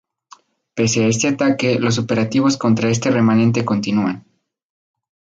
Pese a este ataque, los operativos contra este remanente continúan.